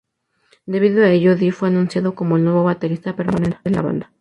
Debido a ello, Dee fue anunciado como el nuevo baterista permanente de la banda.